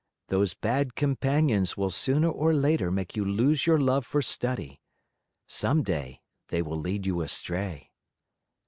Those bad companions will sooner or later make you lose your love for study. Some day they will lead you astray."